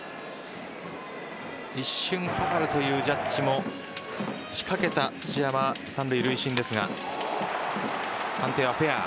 一瞬ファウルというジャッジもしかけた、土山三塁塁審ですが判定はフェア。